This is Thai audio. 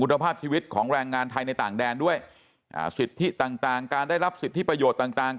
คุณภาพชีวิตของแรงงานไทยในต่างแดนด้วยสิทธิต่างต่างการได้รับสิทธิประโยชน์ต่างต่าง